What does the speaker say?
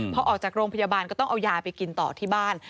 พอออกจากโรงพยาบาลก็ต้องเอายาไปกินต่อที่บ้าน